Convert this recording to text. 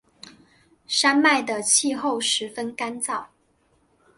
山脉的气候十分干燥。